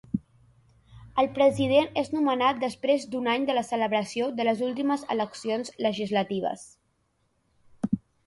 El president és nomenat després d'un any de la celebració de les últimes eleccions legislatives.